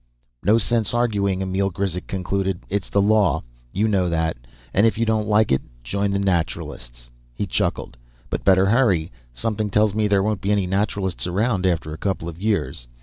"No sense arguing," Emil Grizek concluded. "It's the law. You know that. And if you don't like it, join the Naturalists." He chuckled. "But better hurry. Something tells me there won't be any Naturalists around after a couple of years.